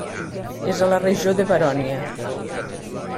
És a la regió de Baronia.